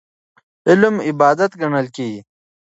علم عبادت ګڼل کېږي.